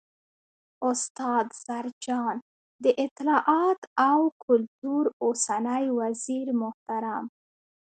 ، استاد زرجان، د اطلاعات او کلتور اوسنی وزیرمحترم